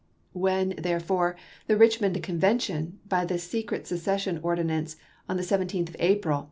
When, therefore, the Richmond Convention, by the secret secession ordinance on the 17th of April, isei.